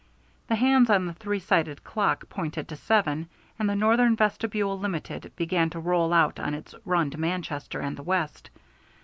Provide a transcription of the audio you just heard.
The hands on the three sided clock pointed to seven, and the Northern Vestibule Limited began to roll out on its run to Manchester and the West.